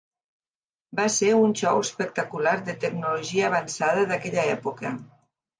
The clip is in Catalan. Va ser un xou espectacular de tecnologia avançada d'aquella època.